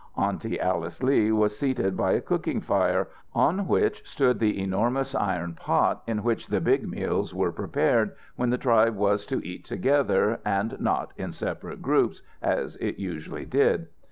Aunty Alice Lee was seated by a cooking fire, on which stood the enormous iron pot in which the "big meals" were prepared, when the tribe was to eat together and not in separate groups, as it usually did.